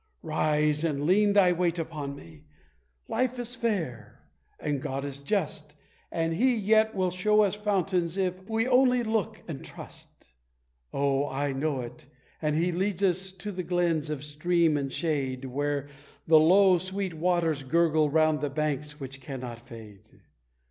Rise and lean thy weight upon me. Life is fair, and God is just, And He yet will show us fountains, if we only look and trust! Oh, I know it, and He leads us to the glens of stream and shade, Where the low, sweet waters gurgle round the banks which cannot fade!"